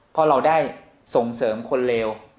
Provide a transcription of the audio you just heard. เพราะเราได้ส่งเสริมคนเลว